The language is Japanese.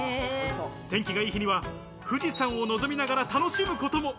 天気が良い日には富士山を望みながら楽しむことも。